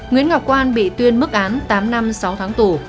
nguyễn ngọc quan bị tuyên mức án tám năm sáu tháng tù